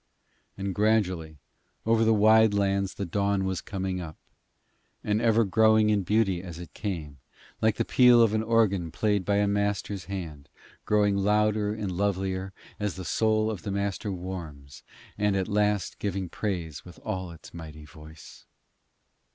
And gradually over the wide lands the dawn was coming up, and ever growing in beauty as it came, like to the peal of an organ played by a master's hand, growing louder and lovelier as the soul of the master warms, and at last giving praise with all its mighty voice.